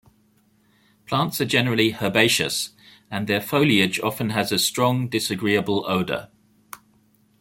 Plants are generally herbaceous, and their foliage often has a strong, disagreeable odor.